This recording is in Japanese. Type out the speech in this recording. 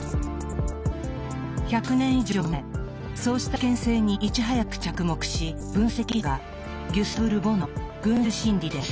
１００年以上前そうした危険性にいち早く着目し分析したのがギュスターヴ・ル・ボンの「群衆心理」です。